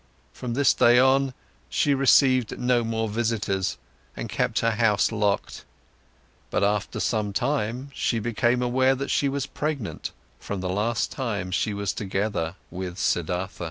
From this day on, she received no more visitors and kept her house locked. But after some time, she became aware that she was pregnant from the last time she was together with Siddhartha.